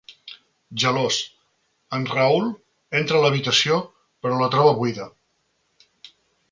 Gelós, en Raoul entra a l'habitació però la troba buida.